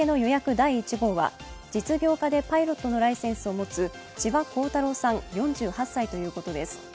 第一号は、実業家でパイロットのライセンスを持つ、千葉功太郎さん４８歳ということです。